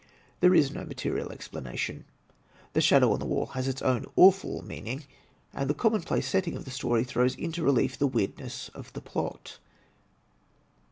There is no material explanation, the shadow on the wall has its own awful mean ing, and the commonplace setting of the story throws into relief the weirdness of the plot.